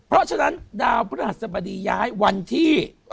เพราะฉะนั้นดาวพฤษฎีย้ายวันที่